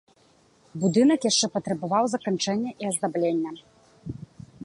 Будынак яшчэ патрабаваў заканчэння і аздаблення.